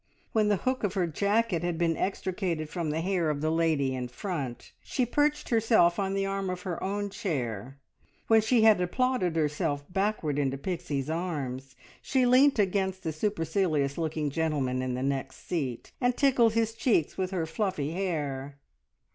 When the hook of her jacket had been extricated from the hair of the lady in front, she perched herself on the arm of her own chair; when she had applauded herself backward into Pixie's arms, she leant against the supercilious looking gentleman in the next seat, and tickled his cheeks with her fluffy hair.